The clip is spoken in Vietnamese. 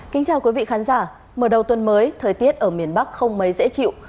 kính chào quý vị khán giả mở đầu tuần mới thời tiết ở miền bắc không mấy dễ chịu